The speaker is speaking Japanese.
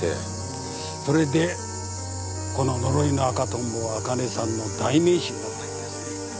それでこの呪いの赤トンボはあかねさんの代名詞になったようですね。